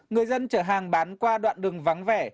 người dân chở hàng bán qua đoạn đường vắng vẻ